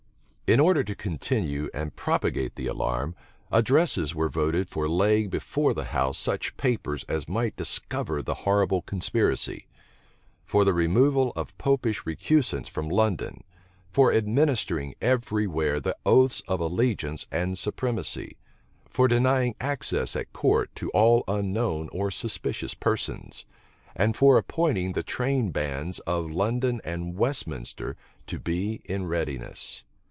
In order to continue and propagate the alarm, addresses were voted for laying before the house such papers as might discover the horrible conspiracy; for the removal of Popish recusants from London; for administering every where the oaths of allegiance and supremacy; for denying access at court to all unknown or suspicious persons; and for appointing the train bands of London and Westminster to be in readiness.